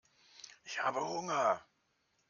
Ich habe Hunger.